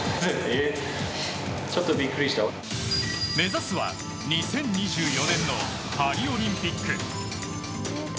目指すは２０２４年のパリオリンピック。